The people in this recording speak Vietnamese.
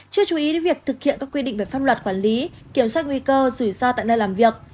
chưa chú ý đến việc thực hiện các quy định về pháp luật quản lý kiểm soát nguy cơ rủi ro tại nơi làm việc